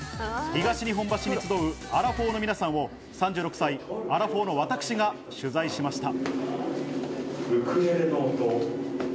東日本橋に集うアラフォーの皆さんを３６歳、アラフォーの私が取材しました。